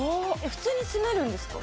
普通に住めるんですか？